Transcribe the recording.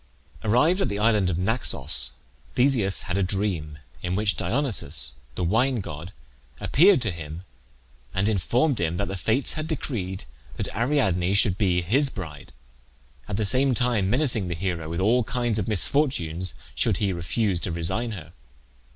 Arrived at the island of Naxos, Theseus had a dream, in which Dionysus, the wine god, appeared to him, and informed him that the Fates had decreed that Ariadne should be his bride, at the same time menacing the hero with all kinds of misfortunes should he refuse to resign her.